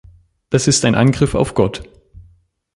Das ist ein Angriff auf Gott.